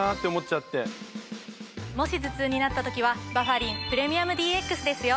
もし頭痛になった時はバファリンプレミアムＤＸですよ。